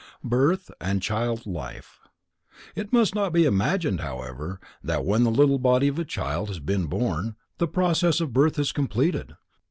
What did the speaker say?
Birth and Child Life. It must not be imagined, however, that when the little body of a child has been born, the process of birth is completed.